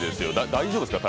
大丈夫ですか？